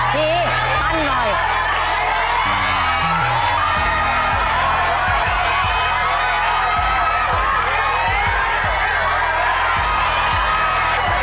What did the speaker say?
ล่ะค่ะ